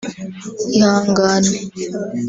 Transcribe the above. Ihangane